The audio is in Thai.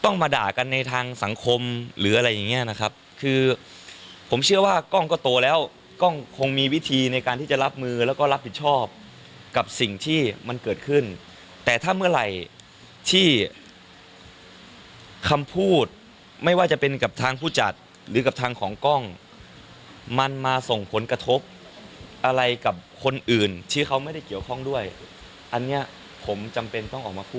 มาด่ากันในทางสังคมหรืออะไรอย่างเงี้ยนะครับคือผมเชื่อว่ากล้องก็โตแล้วกล้องคงมีวิธีในการที่จะรับมือแล้วก็รับผิดชอบกับสิ่งที่มันเกิดขึ้นแต่ถ้าเมื่อไหร่ที่คำพูดไม่ว่าจะเป็นกับทางผู้จัดหรือกับทางของกล้องมันมาส่งผลกระทบอะไรกับคนอื่นที่เขาไม่ได้เกี่ยวข้องด้วยอันเนี้ยผมจำเป็นต้องออกมาพูด